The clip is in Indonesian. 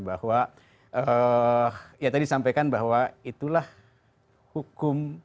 bahwa ya tadi sampaikan bahwa itulah hukum